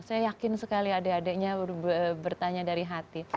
saya yakin sekali adik adiknya bertanya dari hati